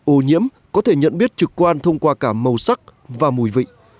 ô nhiễm có thể nhận biết trực quan thông qua cả màu sắc và mùi vị